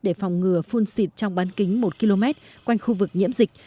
để phòng ngừa phun xịt trong bán kính một km quanh khu vực nhiễm dịch